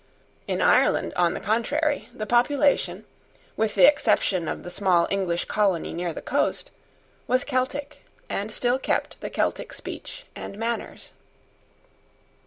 In Ireland, on the contrary, the population, with the exception of the small English colony near the coast, was Celtic, and still kept the Celtic speech and manners.